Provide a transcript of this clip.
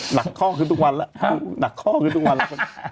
หนักห้องคือตุ๊กวันล่ะ